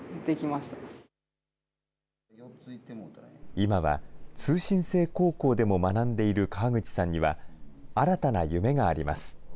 今は、通信制高校でも学んでいる川口さんには、新たな夢があります。